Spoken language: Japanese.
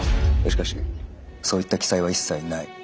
しかしそういった記載は一切ない。